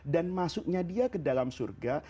dan masuknya dia ke dalam surga